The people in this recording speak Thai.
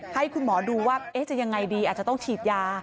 ให้คุณหมอดูว่าจะยังไงดีอาจจะต้องฉีดยา